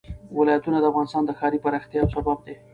ولایتونه د افغانستان د ښاري پراختیا یو سبب دی.